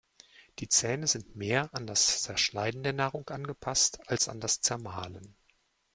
Die Zähne sind mehr an das Zerschneiden der Nahrung angepasst als an das Zermahlen.